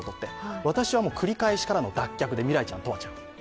私は繰り返しからの脱却で、ミライちゃん、トワちゃん。